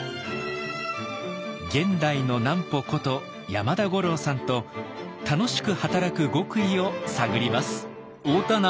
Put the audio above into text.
現代の南畝こと山田五郎さんと楽しく働く極意を探ります。